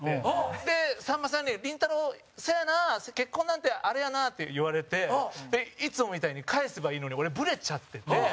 で、さんまさんに「りんたろー。そうやな！結婚なんて、あれやな！」って言われていつもみたいに返せばいいのに俺、ブレちゃってて。